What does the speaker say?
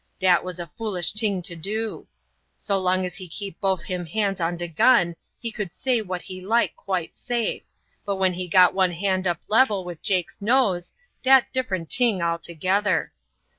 Dat was a foolish ting to do. So long as he keep bofe him hands on de gun he could say what he like quite safe, but when he got one hand up lebel wid Jake's nose, dat different ting altogether.